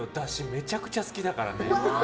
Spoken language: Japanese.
めちゃくちゃ好きだからね。